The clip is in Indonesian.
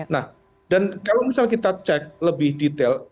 nah dan kalau misal kita cek lebih detail